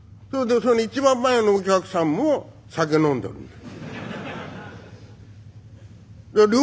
それでその一番前のお客さんも酒飲んでるんだよ。